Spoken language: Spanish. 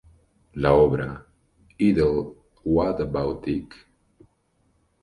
La obra "Idle What About Dick?